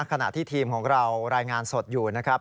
ขณะที่ทีมของเรารายงานสดอยู่นะครับ